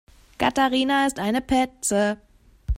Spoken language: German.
Katharina ist eine Petze.